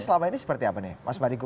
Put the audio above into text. selama ini seperti apa mas mardigu